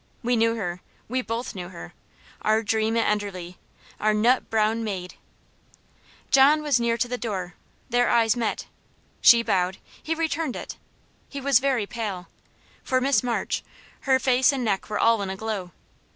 We knew her we both knew her our dream at Enderley our Nut browne Mayde. John was near to the door their eyes met. She bowed he returned it. He was very pale. For Miss March, her face and neck were all in a glow.